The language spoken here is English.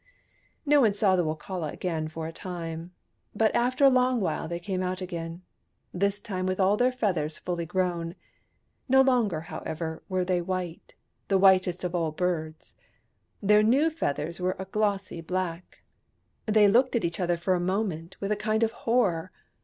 No one saw the Wokala again for a time. But after a long while they came out again, this time with all their feathers fully grown. No longer, however, were they white — the whitest of all birds. Their new feathers were a glossy black ! They looked at each other for a moment with a kind of horror.